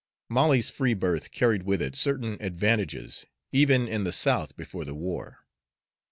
Molly's free birth carried with it certain advantages, even in the South before the war.